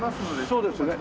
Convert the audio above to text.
そうですね。